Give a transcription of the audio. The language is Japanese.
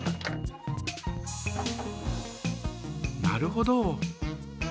なるほど。